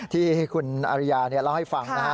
ที่คุณอริยาเล่าให้ฟังนะฮะ